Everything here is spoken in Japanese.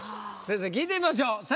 先生に聞いてみましょう。